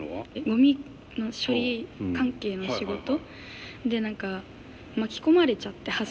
ゴミの処理関係の仕事で何か巻き込まれちゃって。